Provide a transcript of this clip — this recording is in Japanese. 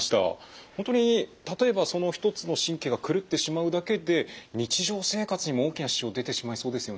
本当に例えばその一つの神経が狂ってしまうだけで日常生活にも大きな支障出てしまいそうですよね。